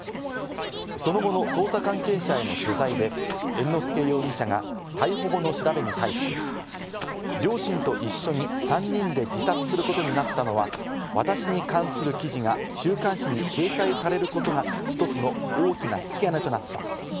その後の捜査関係者への取材で、猿之助容疑者が逮捕後の調べに対して、両親と一緒に３人で自殺することになったのは私に関する記事が週刊誌に掲載されることが１つの大きな引き金となった。